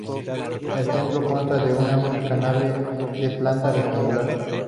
El templo consta de una única nave de planta rectangular.